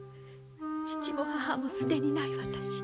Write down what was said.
父も母も既にない私